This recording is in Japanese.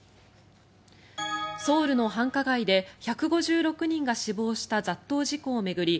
ソウルの繁華街で１５６人が死亡した雑踏事故を巡り